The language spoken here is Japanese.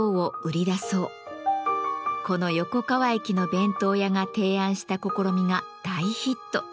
この横川駅の弁当屋が提案した試みが大ヒット。